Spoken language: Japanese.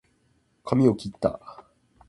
かみをきった